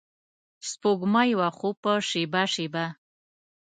سپوږمۍ وه خو په شیبه شیبه